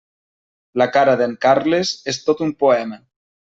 La cara d'en Carles és tot un poema.